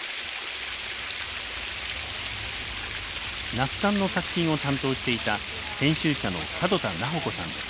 那須さんの作品を担当していた編集者の門田奈穂子さんです。